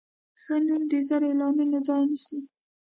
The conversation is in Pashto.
ښه نوم د زر اعلانونو ځای نیسي.